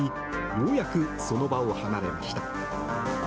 ようやくその場を離れました。